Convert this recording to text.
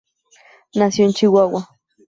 Nació en Chihuahua.